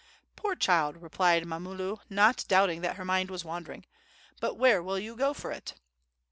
"Poor child!" replied Mamulu, not doubting that her mind was wandering. "But where will you go for it?"